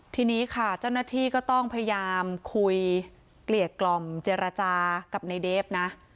ทีนี้ค่ะเจ้าหน้าที่ก็ต้องพยายามคุยเกลี่ยกล่อมเจรจากับในเดฟนะ